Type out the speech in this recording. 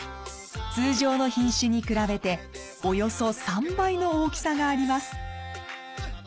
通常の品種に比べておよそ３倍の大きさがあります。